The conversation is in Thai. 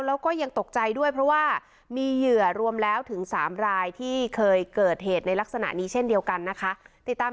แล้วก็ยังตกใจด้วยเพราะว่ามีเหยื่อรวมแล้วถึง๓รายที่เคยเกิดเหตุในลักษณะนี้เช่นเดียวกันนะคะติดตาม